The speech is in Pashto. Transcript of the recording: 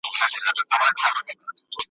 پر لمن د شنه اسمان به یوه ورځ وي لمر ختلی ,